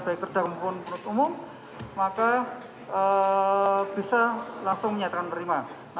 lima buah kartu tanda penduduk atas nama anak korban tujuh belas